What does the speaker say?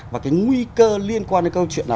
và cái nguy cơ liên quan đến câu chuyện là